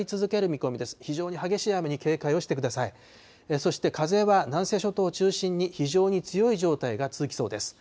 そして風は南西諸島を中心に非常に強い状態が続きそうです。